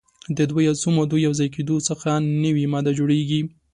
د دوه یا څو مادو یو ځای کیدو څخه نوې ماده جوړیږي.